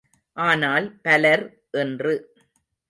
ஆனால் பலர் இன்று.